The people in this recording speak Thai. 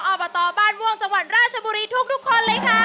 อ้อเบาะต่อบ้านวงตร์จังหวัดราชบุรีทุกคนเลยนะคะ